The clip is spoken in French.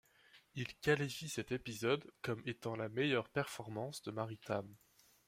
Il qualifie cet épisode comme étant la meilleure performance de Mary Tamm.